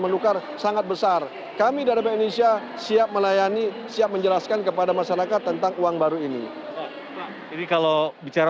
indonesia siap melayani siap menjelaskan kepada masyarakat tentang uang baru ini ini kalau bicara